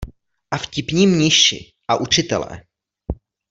A vtipní mniši a učitelé.